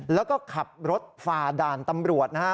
แล้วก็ขับรถฝ่าด่านตำรวจนะฮะ